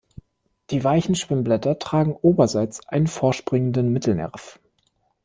Die weichen Schwimmblätter tragen oberseits einen vorspringenden Mittelnerv.